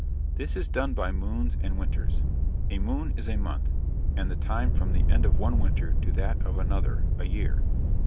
This is done by moons and winters: a moon is a month, and the time from the end of one winter to that of another, a year.